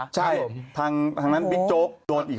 ใช่ทางนั้นบีจบโดนอีก๕๐